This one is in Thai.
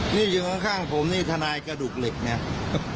นี่อยู่ข้างผมนี่ทนายกระดูกเหล็กเนี่ย